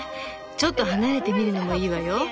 ちょっと離れて見るのもいいわよ。